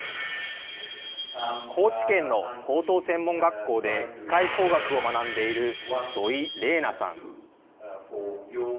高知県の高等専門学校で機械工学を学んでいる土居礼奈さん。